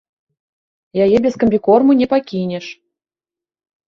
Яе без камбікорму не пакінеш.